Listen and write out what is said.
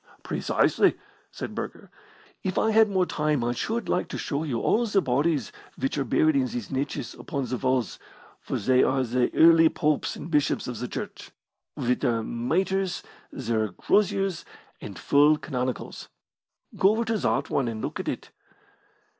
"Precisely," said Burger. "If I had more time I should like to show you all the bodies which are buried in these niches upon the walls, for they are the early popes and bishops of the Church, with their mitres, their croziers, and full canonicals. Go over to that one and look at it!"